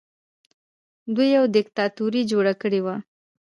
دوی یوه دیکتاتوري جوړه کړې وه